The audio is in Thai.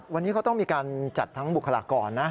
วันนี้เขาต้องมีการจัดทั้งบุคลากรนะ